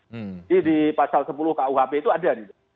jadi di pasal sepuluh kuhp itu ada gitu